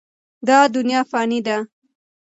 دا دنیا فاني ده.